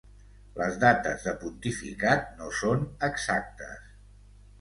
Les dates de pontificat no són exactes.